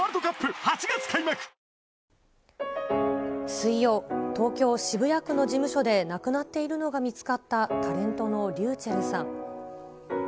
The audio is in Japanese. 水曜、東京・渋谷区の事務所で亡くなっているのが見つかった、タレントのｒｙｕｃｈｅｌｌさん。